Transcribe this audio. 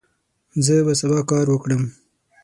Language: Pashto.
زه به سبا کار وکړم.